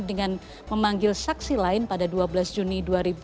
dengan memanggil saksi lain pada dua belas juni dua ribu dua puluh